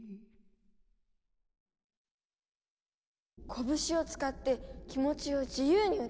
こぶしを使って気持ちを自由に歌い上げる。